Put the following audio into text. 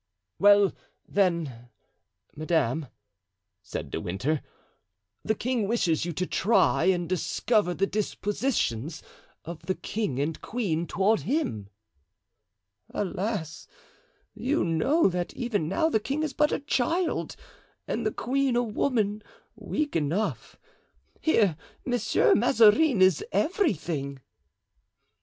"Well, then, madame," said De Winter, "the king wishes you to try and discover the dispositions of the king and queen toward him." "Alas! you know that even now the king is but a child and the queen a woman weak enough. Here, Monsieur Mazarin is everything."